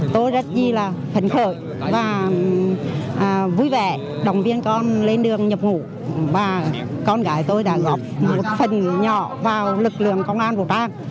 tôi rất là thân khởi và vui vẻ đồng viên con lên đường nhập ngủ và con gái tôi đã góp một phần nhỏ vào lực lượng công an vụ trang